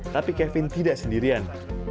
tapi kevin tidak sendirian